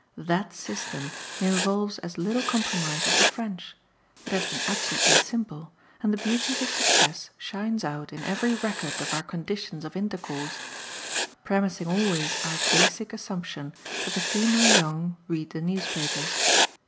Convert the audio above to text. THAT system involves as little compromise as the French; it has been absolutely simple, and the beauty of its success shines out in every record of our conditions of intercourse premising always our "basic" assumption that the female young read the newspapers.